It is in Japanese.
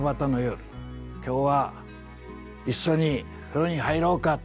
「今日は一緒に風呂に入ろうか。